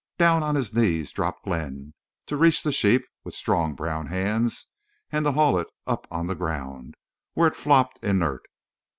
Down on his knees dropped Glenn, to reach the sheep with strong brown hands, and to haul it up on the ground, where it flopped inert.